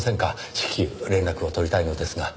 至急連絡を取りたいのですが。